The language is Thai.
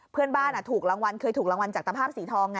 เพื่อนบ้านถูกรางวัลเคยถูกรางวัลจากตภาพสีทองไง